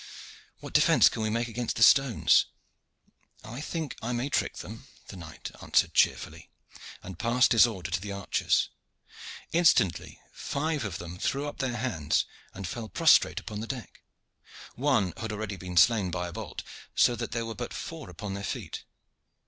What defence can we make against the stones?" "I think I may trick them," the knight answered cheerfully, and passed his order to the archers. Instantly five of them threw up their hands and fell prostrate upon the deck. One had already been slain by a bolt, so that there were but four upon their feet.